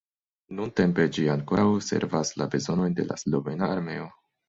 Nuntempe ĝi ankoraŭ servas la bezonojn de la slovena armeo.